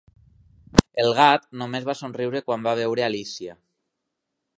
El gat només va somriure quan va veure Alícia.